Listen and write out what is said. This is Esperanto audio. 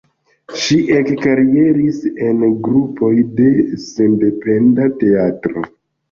Ŝi ekkarieris en grupoj de sendependa teatro.